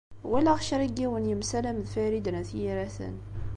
Walaɣ kra n yiwen yemsalam d Farid n At Yiraten.